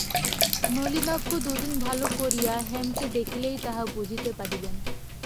নলিনাক্ষ দুদিন ভালো করিয়া হেমকে দেখিলেই তাহা বুঝিতে পারিবেন।